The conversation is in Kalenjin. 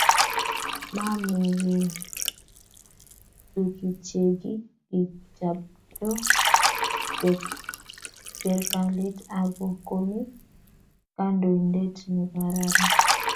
Maamekei tukichekikichapto serkalit, akoi komi kandoindet ne kararan